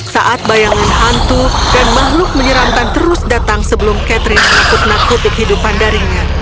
saat bayangan hantu dan makhluk menyeramkan terus datang sebelum catherine mengikut nakutik hidup pandarinya